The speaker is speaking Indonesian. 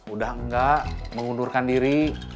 udah enggak mengundurkan diri